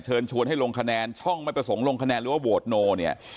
เชิญชวนให้ลงคะแนนช่องไม่ประสงค์ลงคะแนนหรือว่าโหวตโนเนี่ย